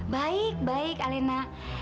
baik baik alena